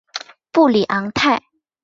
布里昂泰。